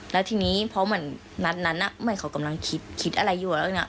แล้วทีนี้เพราะเหมือนนัดนั้นเหมือนเขากำลังคิดคิดอะไรอยู่แล้วเนี่ย